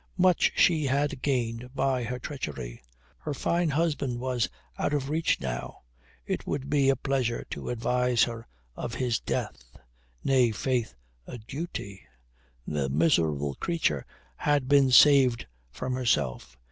Much she had gained by her treachery. Her fine husband was out of her reach now. It would be a pleasure to advise her of his death. Nay, faith, a duty. The miserable creature had been saved from herself.